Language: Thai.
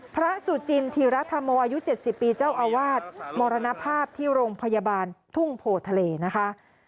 พระสุจินธีรัฐโมอายุ๗๐ปีเจ้าอาวาสมรณภาพที่โรงพยาบาลทุ่งโพทะเลนะคะ